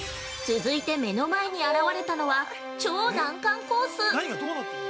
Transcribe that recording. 続いて目の前に現れたのは超難関コース！